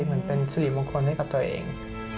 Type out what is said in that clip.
เหมือนเป็นสิริมงคลให้กับตัวเอง